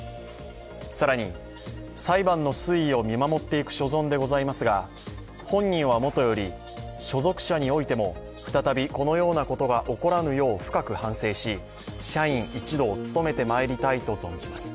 更に、裁判の推移を見守っていく所存でございますが、本人はもとより、所属者においても再びこのようなことが起こらぬよう、社員一同、努めてまいりたいと存じます。